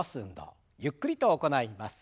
ゆっくりと行います。